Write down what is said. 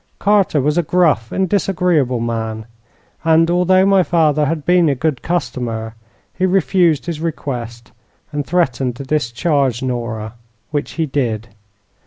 "Carter was a gruff and disagreeable man, and, although my father had been a good customer, he refused his request and threatened to discharge Nora, which he did.